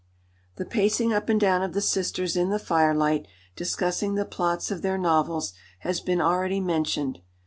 The pacing up and down of the sisters in the firelight, discussing the plots of their novels, has been already mentioned.